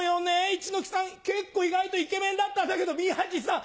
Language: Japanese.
一之輔さん結構意外とイケメンだったんだけど宮治さん